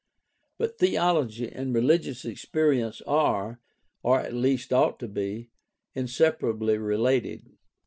But theology and religious experience are, or at least ought to be, inseparably related.